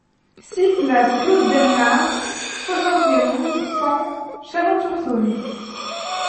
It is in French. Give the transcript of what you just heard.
six place Claude Bernard, soixante et onze, cent, Chalon-sur-Saône